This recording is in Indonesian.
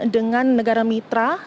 dengan negara mitra